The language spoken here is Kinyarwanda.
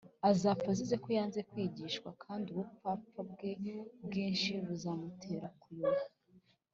azapfa azize ko yanze kwigishwa, kandi ubupfapfa bwe bwinshi buzamutera kuyoba